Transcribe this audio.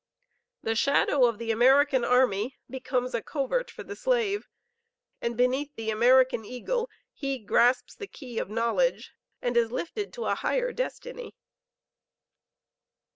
The shadow of the American army becomes a covert for the slave, and beneath the American Eagle he grasps the key of knowledge and is lifted to a higher destiny."